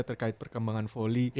terkait perkembangan volley